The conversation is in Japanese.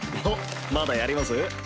おっまだやります？